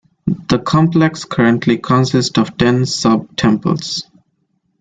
The complex currently consists of ten subtemples.